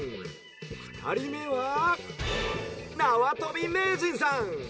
ふたりめはなわとび名人さん。